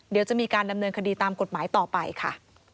เดี๋ยวจะมีการดำเนินคดีตามกฎหมายต่อไปค่ะ